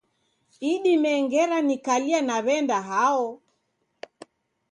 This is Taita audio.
Idime ngera nikalia naw'enda hao